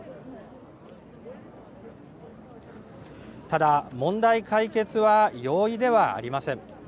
ただ、問題解決は容易ではありません。